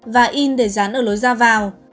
và in để dán ở lối ra vào